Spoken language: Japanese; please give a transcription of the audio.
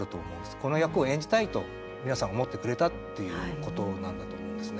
この役を演じたいと皆さん思ってくれたっていうことだと思うんですね。